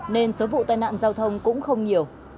nên số vụ tai nạn giao thông cũng không nhiều